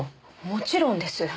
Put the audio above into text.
もちろんです。